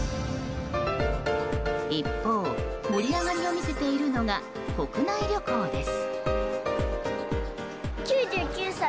一方、盛り上がりを見せているのが国内旅行です。